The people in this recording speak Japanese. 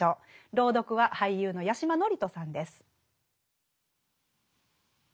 朗読は俳優の八嶋智人さんです。